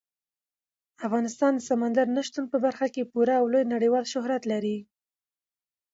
افغانستان د سمندر نه شتون په برخه کې پوره او لوی نړیوال شهرت لري.